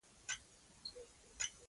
پاتې پیسې یې بیرته را وسپارلې.